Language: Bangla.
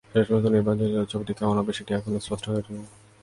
শেষ পর্যন্ত নির্বাচনী জোটের ছবিটা কেমন হবে, সেটাও এখনো স্পষ্ট নয়।